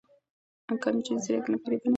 که نجونې ځیرکې وي نو فریب به نه وي.